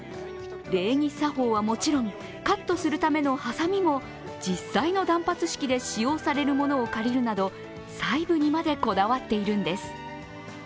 礼儀作法はもちろん、カットするためのはさみも実際の断髪式で使用される物を借りるなど、細部にまでこだわっているんです。